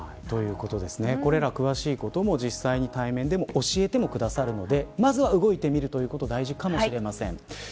これら詳しいこと、実際に対面でも教えてくださるのでまずは動いてみることが大事かもしれません。